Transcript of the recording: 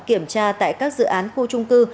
kiểm tra tại các dự án khu trung cư